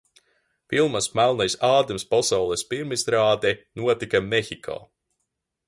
"Filmas "Melnais Ādams" pasaules pirmizrāde notika Mehiko."